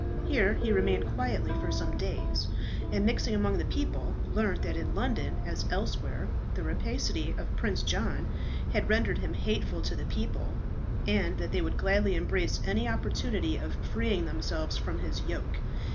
Here he remained quietly for some days, and, mixing among the people, learnt that in London as elsewhere the rapacity of Prince John had rendered him hateful to the people, and that they would gladly embrace any opportunity of freeing themselves from his yoke.